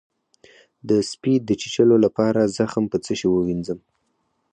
د سپي د چیچلو لپاره زخم په څه شی ووینځم؟